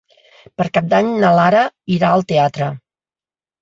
Per Cap d'Any na Lara irà al teatre.